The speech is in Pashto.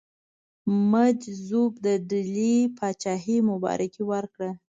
مجذوب د ډهلي پاچهي مبارکي ورکړه.